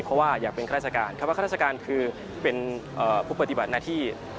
เพราะว่าอยากเป็นข้าราชการคำว่าข้าราชการคือเป็นผู้ปฏิบัติหน้าที่